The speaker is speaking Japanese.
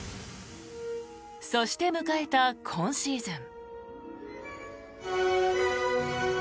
そして、迎えた今シーズン。